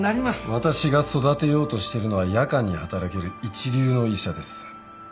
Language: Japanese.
私が育てようとしてるのは夜間に働ける一流の医者です。